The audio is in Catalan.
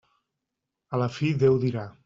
A la fi Déu dirà.